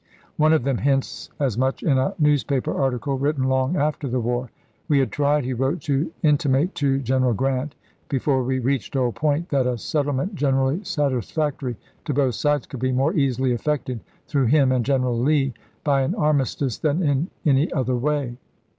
One of them hints as much in a newspaper article written long after the war. :t We had tried," he wrote, " to intimate to General Grant, before we reached Old Point, that a settle ment generally satisfactory to both sides could be more easily effected through him and General Lee by an armistice than in any other way.